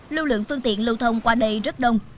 lưu lượng phương tiện lưu thông qua đây rất đông